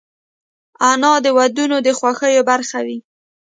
انا د ودونو د خوښیو برخه وي